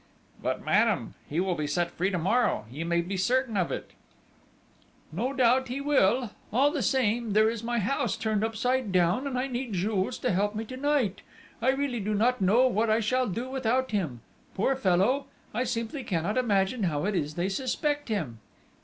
"But, madame!... He will be set free to morrow, you may be certain of it!..." "No doubt he will!... All the same, there is my house turned upside down, and I need Jules to help me to night!... I really do not know what I shall do without him! Poor fellow!... I simply cannot imagine how it is they suspect him!"